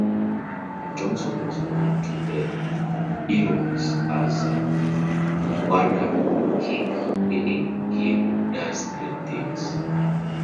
Johnson was known to the Iroquois as "Warraghiggey", meaning "he who does great things.